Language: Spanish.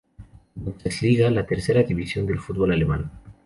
Bundesliga, la tercera división del fútbol alemán.